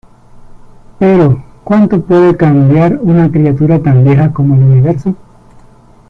Pero ¿cuánto puede cambiar una criatura tan vieja como el universo?